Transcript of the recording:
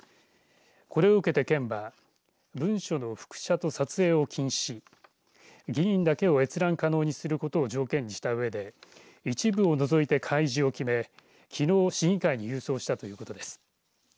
これを受けて県は文書の複写と撮影を禁止し議員だけを閲覧可能にすることを条件にしたうえで一部を除いて開示を決めきのう市議会に郵送したということです。